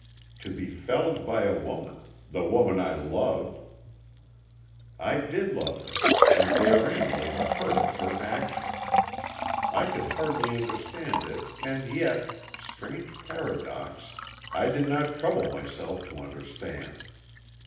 To be felled by a woman—the woman I loved—I did love her, and therein lay the hurt of her action. I could hardly understand it, and yet—strange paradox—I did not trouble myself to understand.